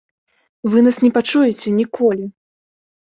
Вы нас не пачуеце ніколі!